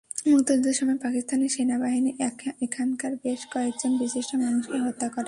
মুক্তিযুদ্ধের সময় পাকিস্তানি সেনাবাহিনী এখানকার বেশ কয়েকজন বিশিষ্ট মানুষকে হত্যা করে।